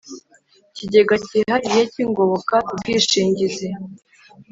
Kigega cyihariye cy ingoboka ku bwishingizi